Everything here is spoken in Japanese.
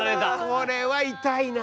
これは痛いな。